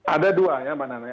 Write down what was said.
ada dua ya mbak nana